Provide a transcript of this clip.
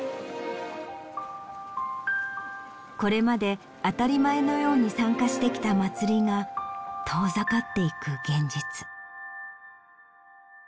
これまで当たり前のように参加してきたまつりが遠ざかっていく現実。